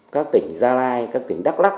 các tỉnh gia lai các tỉnh đắk lắc